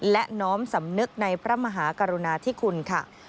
และน้อมสำนึกในพระมหากรุณาธิคุณค่ะ